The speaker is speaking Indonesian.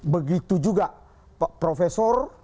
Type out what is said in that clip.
begitu juga profesor